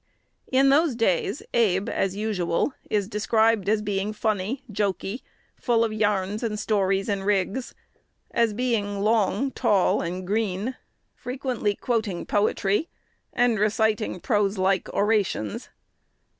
In those days Abe, as usual, is described as being "funny, jokey, full of yarns, stories, and rigs;" as being "long, tall, and green," "frequently quoting poetry," and "reciting proselike orations."